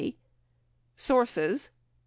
Sources: 1.